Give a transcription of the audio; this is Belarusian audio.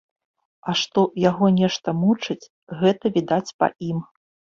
А што яго нешта мучыць, гэта відаць па ім.